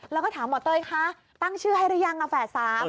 แล้วก็ถามหมอเตยคะตั้งชื่อให้แล้วยังนะแฝดสาม